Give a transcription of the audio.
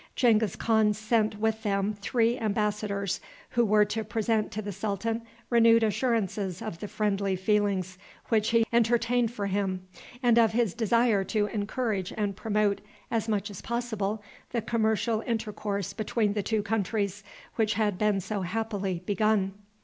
Genghis Khan sent with them three embassadors, who were to present to the sultan renewed assurances of the friendly feelings which he entertained for him, and of his desire to encourage and promote as much as possible the commercial intercourse between the two countries which had been so happily begun.